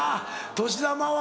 お年玉は。